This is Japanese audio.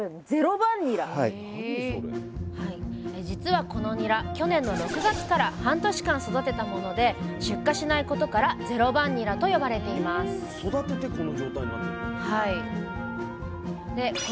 実はこのニラ去年の６月から半年間育てたもので出荷しないことから「０番ニラ」と呼ばれていますえっ